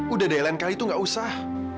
udah deh lain kali tuh gak usah